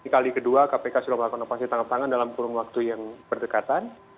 kali kedua kpk sudah melakukan opasi tanggap tangan dalam kurung waktu yang berdekatan